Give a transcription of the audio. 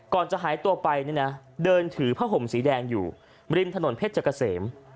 จะหายตัวไปเนี่ยนะเดินถือผ้าห่มสีแดงอยู่ริมถนนเพชรเกษม